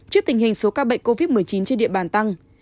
trước tình hình số ca bệnh covid một mươi chín trên địa bàn tăng